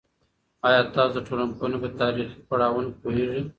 ایا تاسو د ټولنپوهنې په تاریخي پړاوونو پوهیږئ؟